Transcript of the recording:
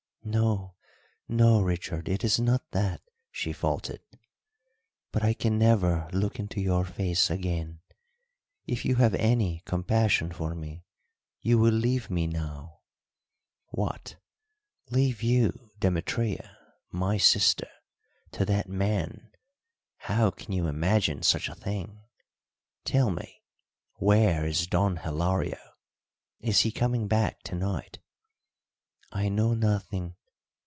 "No, no, Richard, it is not that," she faltered. "But I can never look into your face again. If you have any compassion for me you will leave me now." "What, leave you, Demetria, my sister, to that man how can you imagine such a thing? Tell me, where is Don Hilario is he coming back to night?" "I know nothing.